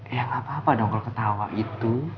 ya apa apa dong kalau ketawa itu